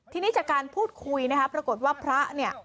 ทีนี้จากการพูดคุยนะครับปรากฏว่าพระเนี่ย